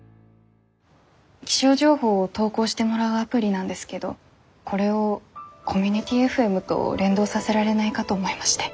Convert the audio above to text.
気象情報を投稿してもらうアプリなんですけどこれをコミュニティＦＭと連動させられないかと思いまして。